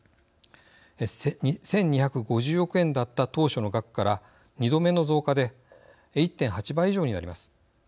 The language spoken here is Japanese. １２５０億円だった当初の額から２度目の増加で１．８倍以上になります。